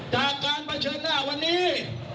จากการเผชิญหน้าวันนี้